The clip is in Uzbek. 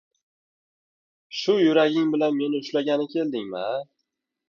Shu yuraging bilan meni ushlagani keldingmi-a?